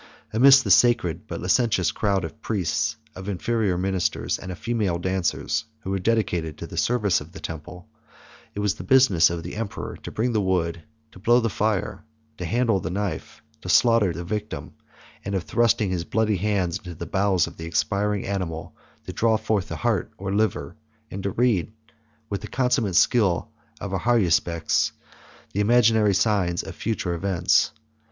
Amidst the sacred but licentious crowd of priests, of inferior ministers, and of female dancers, who were dedicated to the service of the temple, it was the business of the emperor to bring the wood, to blow the fire, to handle the knife, to slaughter the victim, and, thrusting his bloody hands into the bowels of the expiring animal, to draw forth the heart or liver, and to read, with the consummate skill of an haruspex, imaginary signs of future events.